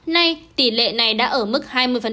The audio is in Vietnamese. nay tỷ lệ này đã ở mức hai mươi